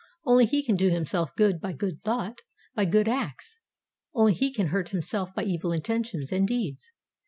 Only he can do himself good by good thought, by good acts; only he can hurt himself by evil intentions and deeds.